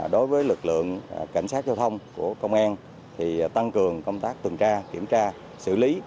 đối với lực lượng cảnh sát giao thông của công an thì tăng cường công tác tuần tra kiểm tra xử lý